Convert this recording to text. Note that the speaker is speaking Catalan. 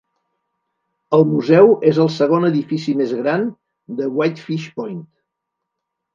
El museu és el segon edifici més gran de Whitefish Point.